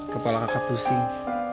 kepala kakak pusing